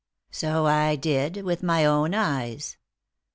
"So I did, with my own eyes."